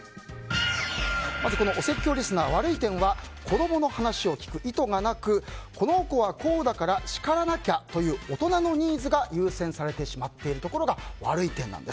まずお説教リスナー、悪い点は子供の話を聞く意図がなくこの子はこうだから叱らなきゃという大人のニーズが優先されてしまっているところが悪い点なんです。